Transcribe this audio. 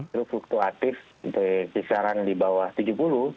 itu fluktuatif di kisaran di bawah tujuh puluh